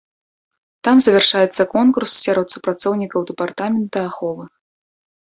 Там завяршаецца конкурс сярод супрацоўнікаў дэпартамента аховы.